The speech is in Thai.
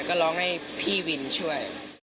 ก็ร้องให้พี่วินช่วย